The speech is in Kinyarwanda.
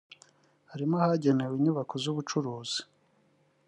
harimo ahagenewe inyubako z’ubucuruzi